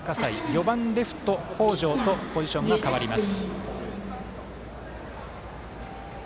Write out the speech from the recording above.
４番レフト、北條とポジションが変わります。